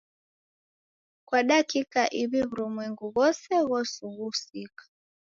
Kwa dakika iw'I w'urumwengu ghose ghosughusika.